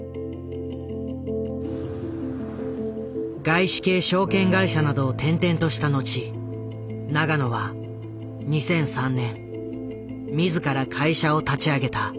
外資系証券会社などを転々とした後永野は２００３年自ら会社を立ち上げた。